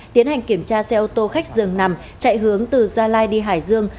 tiến hành kiểm tra xe ô tô khách dường nằm chạy hướng từ gia lai đi hải dương